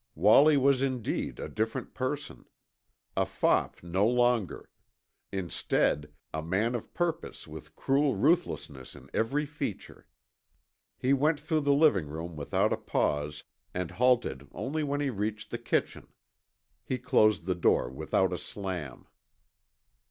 Wallie was indeed a different person. A fop no longer; instead, a man of purpose with cruel ruthlessness in every feature. He went through the living room without a pause and halted only when he reached the kitchen. He closed the door without a slam.